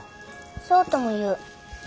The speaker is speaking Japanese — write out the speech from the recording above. そうとも言う。